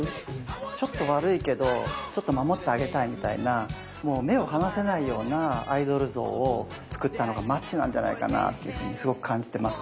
ちょっと悪いけどちょっと守ってあげたいみたいなもう目を離せないようなアイドル像を作ったのがマッチなんじゃないかなっていうふうにすごく感じてます。